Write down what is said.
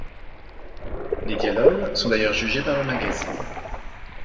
Les dialogues sont d’ailleurs jugés par le magazine '.